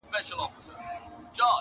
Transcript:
o مور بې حاله ده او خبري نه سي کولای,